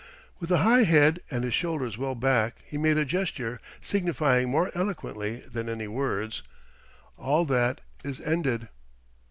With a high head and his shoulders well back he made a gesture signifying more eloquently than any words: "All that is ended!"